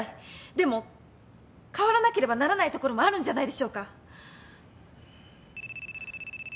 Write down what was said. でも変わらなければならないところもあるんじゃないでしょうか？